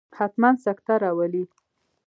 حتما سکته راولي.